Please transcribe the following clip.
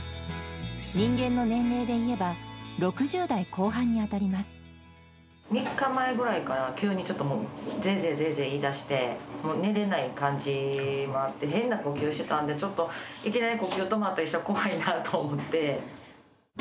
人間の年齢でいえば６０代後半に３日前ぐらいから、急にちょっともう、ぜーぜーぜーぜーいいだして、もう寝れない感じもあって、変な呼吸してたんで、いきなり呼吸止まったりしたら、怖いなと思って。